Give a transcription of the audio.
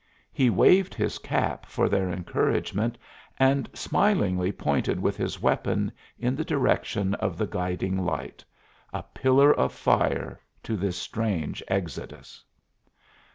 He waved his cap for their encouragement and smilingly pointed with his weapon in the direction of the guiding light a pillar of fire to this strange exodus.